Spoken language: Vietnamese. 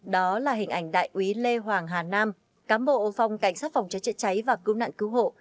đó là hình ảnh đại quý lê hoàng hà nam cám bộ phòng cảnh sát phòng chế chế cháy và cứu nạn cứu hộ